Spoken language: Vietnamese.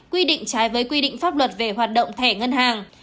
quy định trái với quy định pháp luật về hoạt động thẻ ngân hàng